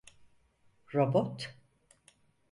Robot…